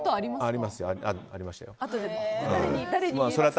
ありましたよ。